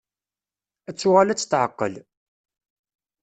Ad tuɣal ad tetεeqqel.